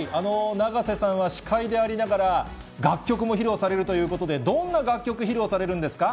永瀬さんは司会でありながら、楽曲も披露されるということで、どんな楽曲、披露されるんですか？